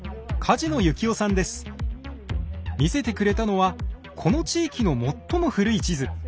見せてくれたのはこの地域の最も古い地図。